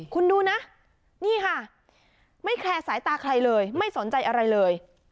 คุณดูนะนี่ค่ะไม่แคร์สายตาใครเลยไม่สนใจอะไรเลย